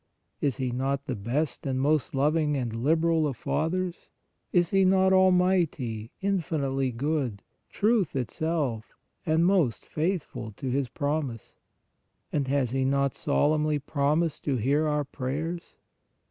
Is He not the best and most loving and liberal of fathers ; is He not almighty, infinitely good, Truth itself, and most faithful to His prom ise? And has He not solemnly promised to hear our prayers?